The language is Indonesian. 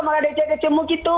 mereka ada cedek cemuk gitu